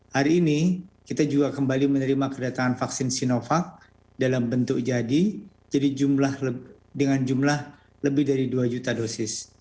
hari ini kita juga kembali menerima kedatangan vaksin sinovac dalam bentuk jadi dengan jumlah lebih dari dua juta dosis